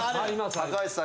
高橋さん